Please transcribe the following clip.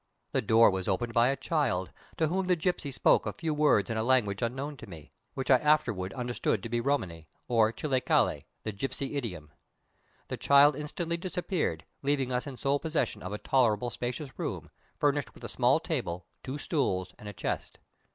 The door was opened by a child, to whom the gipsy spoke a few words in a language unknown to me, which I afterward understood to be Romany, or chipe calli the gipsy idiom. The child instantly disappeared, leaving us in sole possession of a tolerably spacious room, furnished with a small table, two stools, and a chest.